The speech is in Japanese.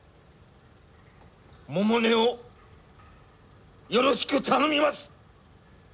百音をよろしく頼みます。